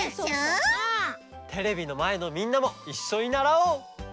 テレビのまえのみんなもいっしょにならおう！